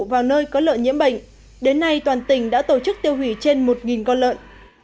vào nơi có lợn nhiễm bệnh đến nay toàn tỉnh đã tổ chức tiêu hủy trên một con lợn